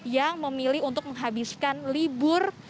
yang memilih untuk menghabiskan libur